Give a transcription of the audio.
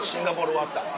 終わった？